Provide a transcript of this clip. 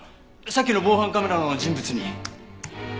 さっきの防犯カメラの人物に。